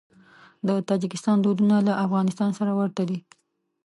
د تاجکستان دودونه له افغانستان سره ورته دي.